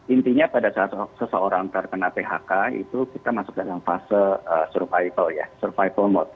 intinya pada saat seseorang terkena phk itu kita masuk dalam fase ya survival mode